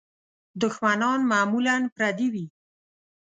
دوښمنان معمولاً پردي وي.